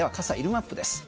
マップです。